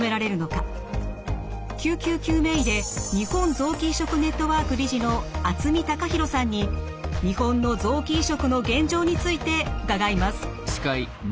救急救命医で日本臓器移植ネットワーク理事の渥美生弘さんに日本の臓器移植の現状について伺います。